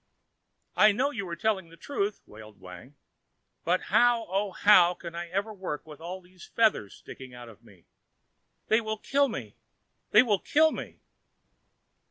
"I know you are telling the truth," wailed Wang, "but how, oh, how can I ever work with all these feathers sticking out of me? They will kill me! They will kill me!"